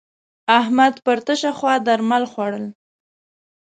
احمد پر تشه خوا درمل خوړول.